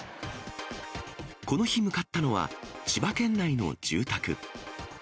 この日、向かったのは千葉県内の住宅。